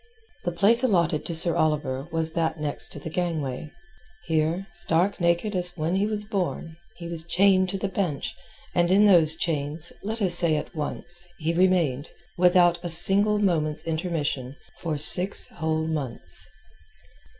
The place allotted to Sir Oliver was that next the gangway. Here, stark naked as when he was born, he was chained to the bench, and in those chains, let us say at once, he remained, without a single moment's intermission, for six whole months.